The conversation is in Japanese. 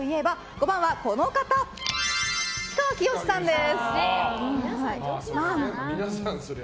５番は、氷川きよしさんです。